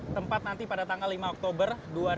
tempat nanti pada tanggal lima oktober dua ribu dua puluh